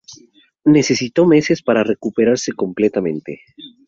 Necesitó meses para recuperarse completamente.